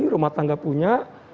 rumah tangga punya